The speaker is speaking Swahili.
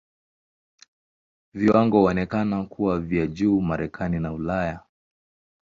Viwango huonekana kuwa vya juu Marekani na Ulaya.